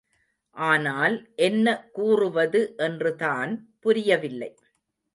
ஆனால், என்ன கூறுவது என்றுதான் புரியவில்லை.